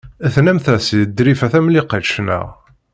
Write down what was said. Tennamt-as i Ḍrifa Tamlikect, naɣ?